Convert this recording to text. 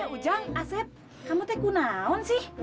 ujang aset kamu tak gunaun sih